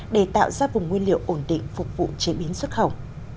để tạo ra vùng nguyên liệu ổn định phục vụ chế biến xuất khẩu